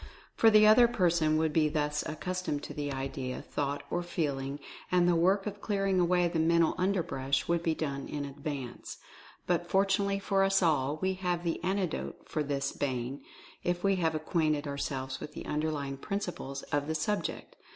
For the other person would be thus accus tomed to the idea, thought or feeling, and the work of clearing away the mental underbrush would be done in advance. But, fortunately for us all, we have the Antidote for this Bane, if we have acquainted 246 Mental Fascination ourselves with the underlying principles of the sub ject.